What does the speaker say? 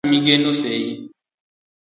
an ng'ati migeno sei